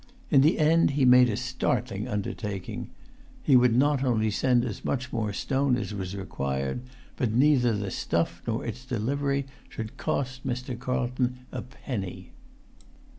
In the end he made a startling undertaking. He would not only send as much more stone as was required, but neither the stuff nor its delivery should cost Mr. Carlton a penny.